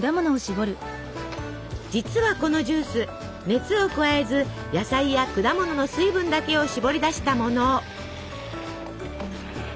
実はこのジュース熱を加えず野菜や果物の水分だけをしぼり出したもの。